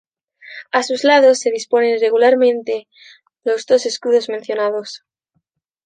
A sus lados se disponen irregularmente los dos escudos mencionados.